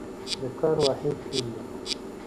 د کار واحد جول دی.